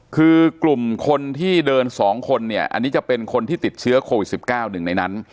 คือกลุ่มคนที่เดิน๒คนเนี่ยอันนี้จะเป็นคนที่ติดเชื้อโควิด๑๙หนึ่งในนั้น